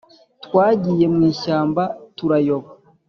twagiye mw’ishyamba turayoba